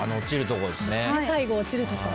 ・最後落ちるところ？